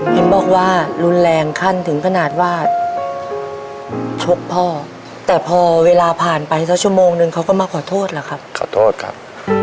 เห็นบอกว่ารุนแรงขั้นถึงขนาดว่าชกพ่อแต่พอเวลาผ่านไปสักชั่วโมงนึงเขาก็มาขอโทษเหรอครับขอโทษครับ